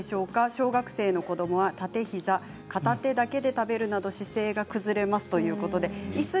小学生の子どもは片手だけで食べるなど姿勢が崩れるということです。